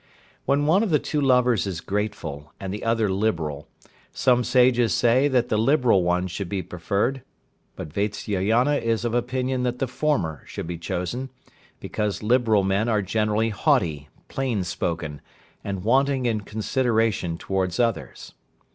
When one of the two lovers is grateful, and the other liberal, some Sages say that the liberal one should be preferred, but Vatsyayana is of opinion that the former should be chosen, because liberal men are generally haughty, plain spoken, and wanting in consideration towards others.